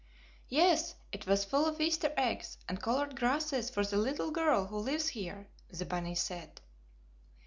"Yes, it was full of Easter eggs and colored grasses for the little girl who lives here!" the bunny said.